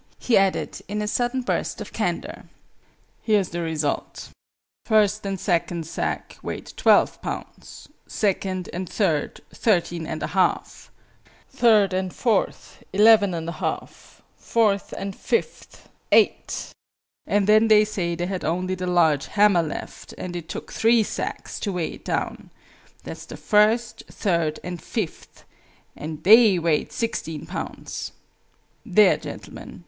he added, in a sudden burst of candour. "Here's the result. First and second sack weighed twelve pounds; second and third, thirteen and a half; third and fourth, eleven and a half; fourth and fifth, eight: and then they say they had only the large hammer left, and it took three sacks to weigh it down that's the first, third and fifth and they weighed sixteen pounds. There, gentlemen!